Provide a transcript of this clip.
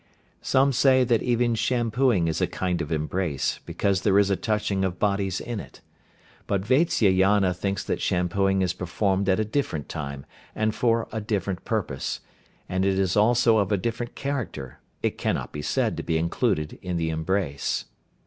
Some say that even shampooing is a kind of embrace, because there is a touching of bodies in it. But Vatsyayana thinks that shampooing is performed at a different time, and for a different purpose, and it is also of a different character, it cannot be said to be included in the embrace.